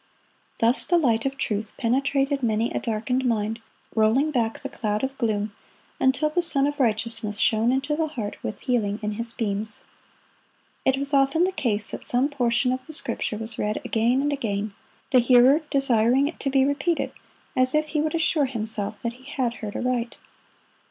Thus the light of truth penetrated many a darkened mind, rolling back the cloud of gloom, until the Sun of Righteousness shone into the heart with healing in His beams. It was often the case that some portion of Scripture was read again and again, the hearer desiring it to be repeated, as if he would assure himself that he had heard aright.